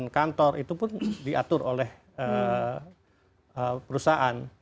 dan kantor itu pun diatur oleh perusahaan